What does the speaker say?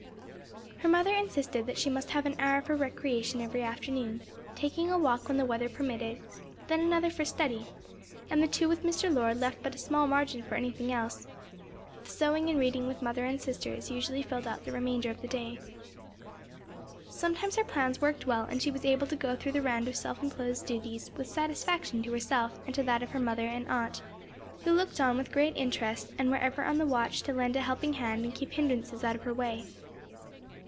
Her mother insisted that she must have an hour for recreation every afternoon, taking a walk when the weather permitted; then another for study, and the two with Mr. Lord left but a small margin for anything else; the sewing and reading with mother and sisters usually filled out the remainder of the day. Sometimes her plans worked well and she was able to go through the round of self imposed duties with satisfaction to herself and to that of her mother and aunt, who looked on with great interest and were ever on the watch to lend a helping hand and keep hindrances out of her way.